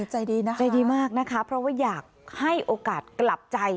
ใจดีนะใจดีมากนะคะเพราะว่าอยากให้โอกาสกลับใจ